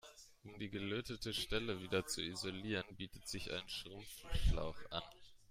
Um die gelötete Stelle wieder zu isolieren, bietet sich ein Schrumpfschlauch an.